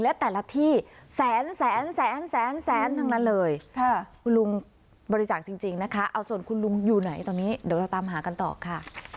เดี๋ยวเราตามหากันต่อค่ะ